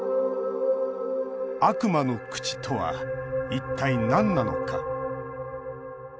悪魔の口とは一体なんなのか。